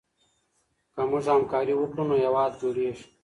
که موږ همکاري وکړو نو هېواد جوړېږي.